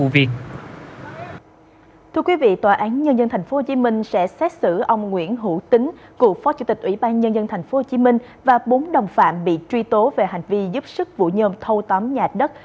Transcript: và bốn đồng phạm bị truy tố về hành vi giúp sức vụ nhôm thâu tóm nhà đất